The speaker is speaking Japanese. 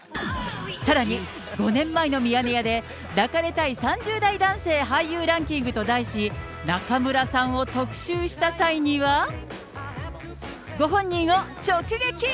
さらに、５年前のミヤネ屋で、抱かれたい３０代男性俳優ランキングと題し、中村さんを特集した際には、ご本人を直撃。